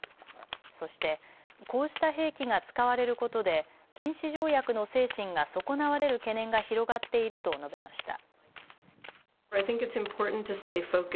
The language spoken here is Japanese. そして、こうした兵器が使われることで禁止条約の精神が損なわれる懸念が広がっていると述べました。